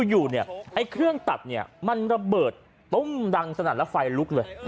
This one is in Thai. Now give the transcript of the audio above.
อยู่เนี่ยไอ้เครื่องตัดเนี่ยมันระเบิดตุ้มดังสนั่นแล้วไฟลุกเลย